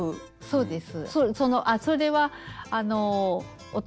そうです。